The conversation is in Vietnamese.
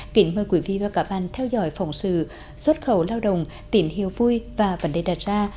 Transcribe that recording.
kính mời quý vị và các bạn theo dõi phỏng sự xuất khẩu lao động tỉnh hiều vui và văn đề đà tra